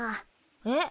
えっ？